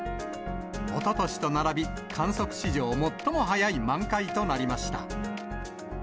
おととしと並び、観測史上最も早い満開となりました。